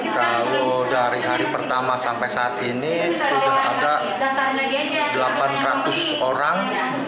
kalau dari hari pertama sampai saat ini sudah ada delapan ratus orang